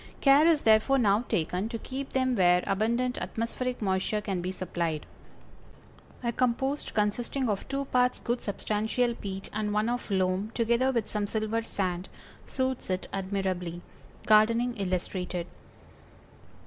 Care is therefore now taken to keep them where abundant atmospheric moisture can be supplied. A compost consisting of two parts good substantial peat and one of loam, together with some silver sand, suits it admirably. _Gardening Illustrated.